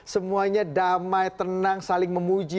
semuanya damai tenang saling memuji